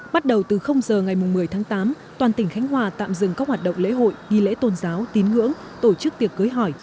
bắt đầu từ giờ ngày một mươi tháng tám toàn tỉnh khánh hòa tạm dừng các hoạt động lễ hội nghi lễ tôn giáo tín ngưỡng tổ chức tiệc cưới hỏi